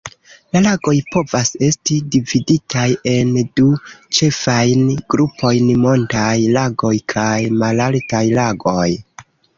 La lagoj povas esti dividitaj en du ĉefajn grupojn: montaj lagoj kaj malaltaj lagoj.